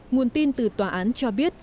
nguồn tin từ tòa án cho biết